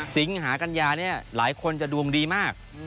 สิงหากัญญาเนี่ยหลายคนจะดวงดีมาก